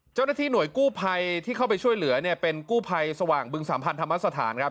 เจ้าหน้าที่หน่วยกู้ภัยที่เข้าไปช่วยเหลือเนี่ยเป็นกู้ภัยสว่างบึงสามพันธรรมสถานครับ